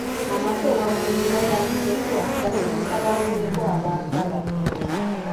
Amaka awakuumirwa bamulekwa gasomesa bamulekwa abaagala.